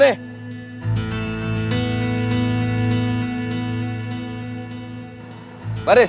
iya teh sama sama